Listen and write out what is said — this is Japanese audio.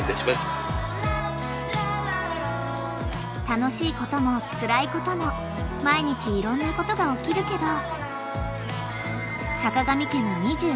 ［楽しいこともつらいことも毎日いろんなことが起きるけど］